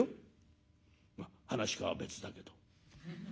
噺家は別だけど。